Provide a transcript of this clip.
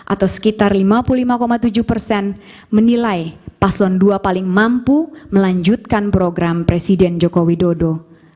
atau sekitar lima puluh lima tujuh persen menilai paslon dua paling mampu melanjutkan program presiden joko widodo